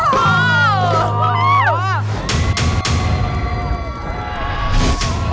อยู่ในนี้